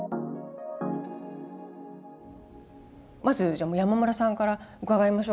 まずじゃあ山村さんから伺いましょう。